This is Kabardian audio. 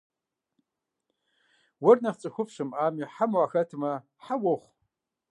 Уэр нэхъ цӏыхуфӏ щымыӏэми - хьэм уахэтмэ, хьэ уохъу.